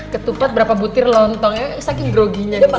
ketupat berapa butir lontongnya saking groginya